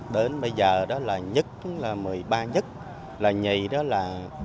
đến bây giờ đó là nhất là một mươi ba nhất là nhầy đó là bốn